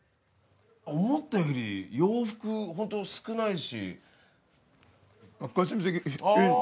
思ったより洋服本当少ないし。